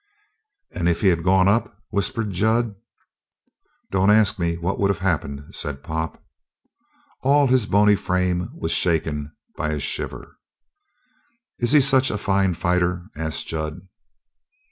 "And if he'd gone up?" whispered Jud. "Don't ask me what would of happened," said Pop. All his bony frame was shaken by a shiver. "Is he such a fine fighter?" asked Jud.